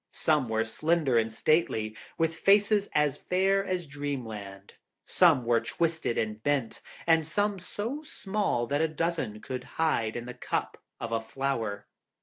Some were slender and stately, with faces as fair as dreamland; some were twisted and bent, and some so small that a dozen could hide in the cup of a flower.